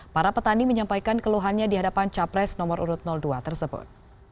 para petani menyampaikan keluhannya di hadapan capres nomor urut dua tersebut